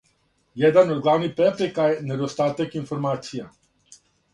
Једна од главних препрека је недостатак информација.